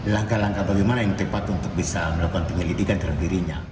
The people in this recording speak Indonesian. langkah langkah bagaimana yang tepat untuk bisa melakukan penyelidikan terhadap dirinya